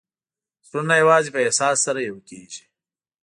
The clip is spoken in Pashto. زړونه یوازې په احساس سره یو کېږي.